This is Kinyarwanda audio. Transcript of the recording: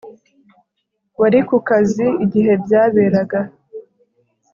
Wari ku kazi igihe byaberaga